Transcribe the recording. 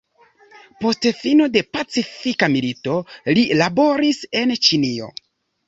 Post fino de Pacifika Milito, li laboris en Ĉinio.